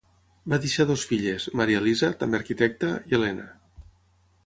Va deixar dues filles, Maria Elisa, també arquitecta, i Helena.